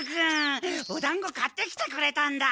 おだんご買ってきてくれたんだ。